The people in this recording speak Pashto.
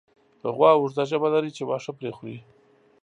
غوا اوږده ژبه لري چې واښه پرې خوري.